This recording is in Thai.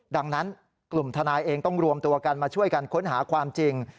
ดังนั้นกลุ่มทนายเองต้องรวมตัวกันมาช่วยกันค้นหาความจริง